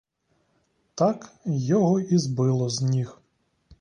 Так його і збило з ніг.